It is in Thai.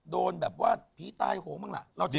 โดนแบบว่าผีตายโหงบ้างล่ะ